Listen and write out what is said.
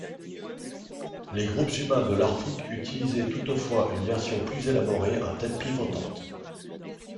Les groupes humains de l'Arctique utilisaient toutefois une version plus élaborée à tête pivotante.